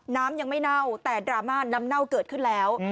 น้ำยังไม่เน่าแต่ดราม่าน้ำเน่าเกิดขึ้นแล้ว